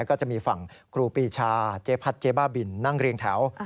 ก็จะมีฝั่งครูปีชาเจ๊พัดเจ๊บ้าบินนั่งเรียงแถว